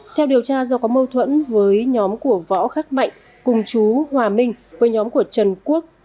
theo điều tra do có mâu thuẫn với nhóm của võ khắc mạnh cùng chú hòa minh với nhóm của trần quốc